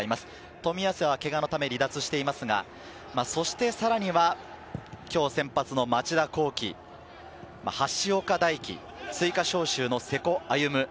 冨安はけがのため離脱していますが、そして、さらには今日、先発の町田浩樹、橋岡大樹、追加招集の瀬古歩夢。